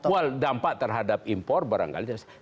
wah dampak terhadap impor barangkali terlalu serius